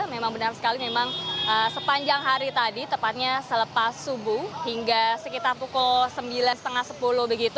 memang benar sekali memang sepanjang hari tadi tepatnya selepas subuh hingga sekitar pukul sembilan lima sepuluh begitu